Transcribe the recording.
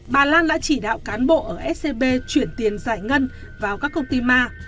bà lan đã chỉ đạo cán bộ ở scb chuyển tiền giải ngân vào các công ty ma